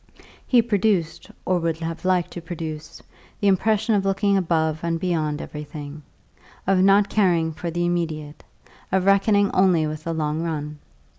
He produced, or would have liked to produce, the impression of looking above and beyond everything, of not caring for the immediate, of reckoning only with the long run.